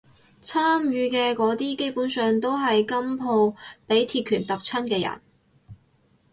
參與嘅嗰啲基本上都係今鋪畀鐵拳揼親嘅人